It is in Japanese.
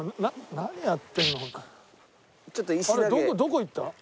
どこ行った？